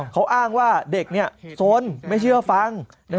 เขาอ้างว่าเด็กสนไม่เชื่อฟัง